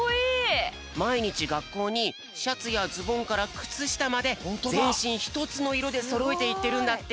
まいにちがっこうにシャツやズボンからくつしたまでぜんしんひとつのいろでそろえていってるんだって。